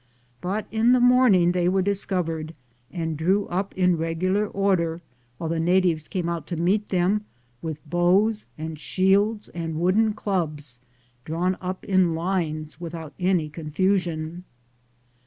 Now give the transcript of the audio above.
But in the morning they were discovered and drew up in regular order, while the natives came out to meet them, with bows, and shields, and wooden clubs, drawn up in lines without any confusion.